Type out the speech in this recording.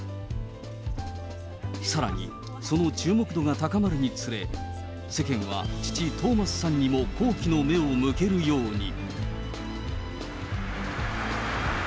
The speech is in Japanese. さらにその注目度が高まるにつれ、世間は父、トーマスさんにも好奇の目を向けるように。